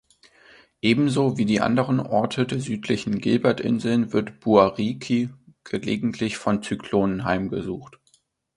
Ebenso wie die anderen Orte der südlichen Gilbertinseln wird Buariki gelegentlich von Zyklonen heimgesucht.